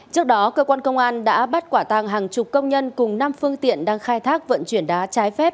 trước đó cơ quan công an đã bắt quả tàng hàng chục công nhân cùng năm phương tiện đang khai thác vận chuyển đá trái phép